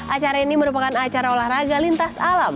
acara ini merupakan acara olahraga lintas alam